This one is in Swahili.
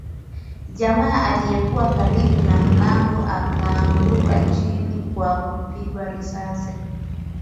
Jamaa aliyekuwa karibu na mlango akaanguka chini kwa kupigwa risasi